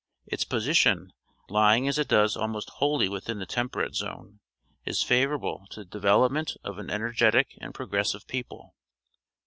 Its position, lying as it does almost wholly witliin the2> Temperate Zone , is favoui able to the development of an ener getic and progressive people.